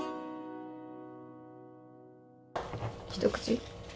一口？